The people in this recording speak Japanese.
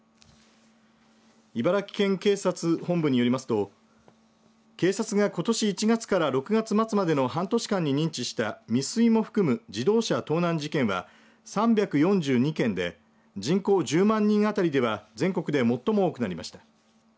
茨城県警察本部によりますと警察がことし１月から６月末までの半年間に認知した未遂も含む自動車盗難事件は３４２件で人口１０万人当たりでは全国で最も多くなりました。